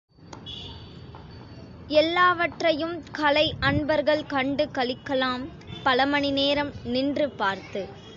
எல்லாவற்றையும் கலை அன்பர்கள் கண்டுகளிக்கலாம் பல மணி நேரம் நின்று பார்த்து.